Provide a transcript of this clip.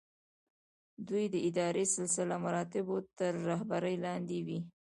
دوی د اداري سلسله مراتبو تر رهبرۍ لاندې وي.